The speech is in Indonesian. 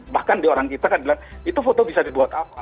bahkan di orang kita kan bilang itu foto bisa dibuat apa